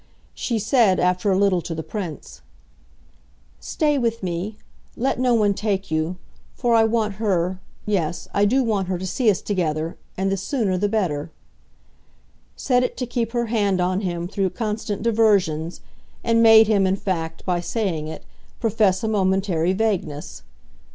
She said, after a little, to the Prince, "Stay with me; let no one take you; for I want her, yes, I do want her to see us together, and the sooner the better" said it to keep her hand on him through constant diversions, and made him, in fact, by saying it, profess a momentary vagueness.